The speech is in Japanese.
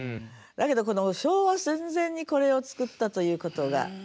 だけど昭和戦前にこれを作ったということが。